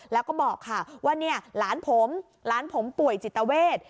แล้วก็บอกค่ะว่าเนี่ยหลานผมหลานผมป่วยจิตเวท